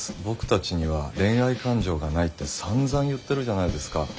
僕たちには恋愛感情がないってさんざん言ってるじゃないですか。